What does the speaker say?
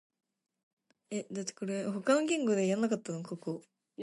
Head of the "zhu" component rounded.